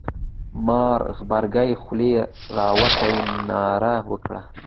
مار غبرگې خولې را وتې ناره وکړه.